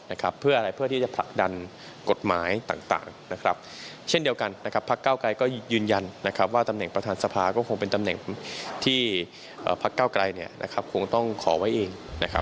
พักเก้ากลายยืนยันว่าตำแหน่งประธานภาควรเป็นตำแหน่งที่พักเก้ากลายคงต้องขอไว้เอง